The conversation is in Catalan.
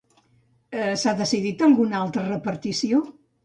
S'ha decidit alguna altra repartició?